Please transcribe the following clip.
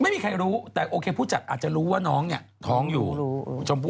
ไม่มีใครรู้แต่โอเคผู้จัดอาจจะรู้ว่าน้องเนี่ยท้องอยู่ชมพู่